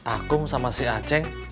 akum sama si aceng